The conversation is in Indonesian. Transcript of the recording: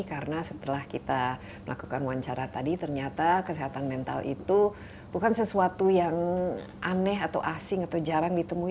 karena setelah kita melakukan wawancara tadi ternyata kesehatan mental itu bukan sesuatu yang aneh atau asing atau jarang ditemui